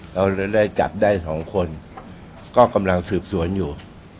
เราได้จับได้สองคนก็กำลังสืบสวนอยู่